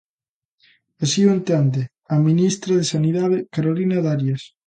Así o entende a ministra de Sanidade, Carolina Darias.